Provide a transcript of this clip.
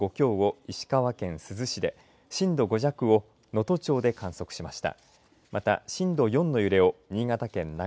この地震で震度５強を石川県珠洲市で震度５弱を能登町で観測しました。